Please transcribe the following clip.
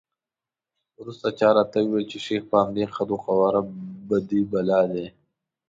وروسته چا راته وویل چې شیخ په همدې قد وقواره بدي بلا دی.